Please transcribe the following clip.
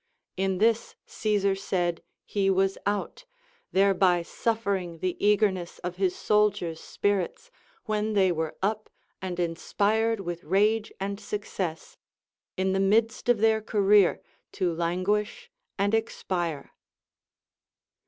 In this Caesar said he was out, thereby suffering the eagerness of his soldiers' spirits, Avhen they were up and inspired with rage and success, in the midst of their career to languish and expire.